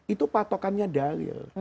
itu patokannya dalil